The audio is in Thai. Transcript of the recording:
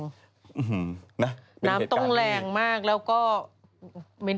นะเป็นเหตุการณ์นี้น้ำต้องแรงมากแล้วก็